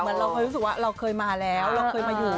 เราเคยรู้สึกว่าเราเคยมาแล้วเราเคยมาอยู่